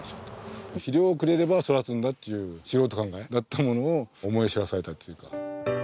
肥料をくれれば育つんだっていう素人考えだったものを思い知らされたっていうか。